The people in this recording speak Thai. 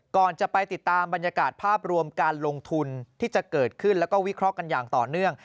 ก่อนจะไปติดตามบรรยากาศภาพรวมการลงทุนที่จะเกิดขึ้นแล้วก็วิเคราะห์กันอย่างต่อเนื่อง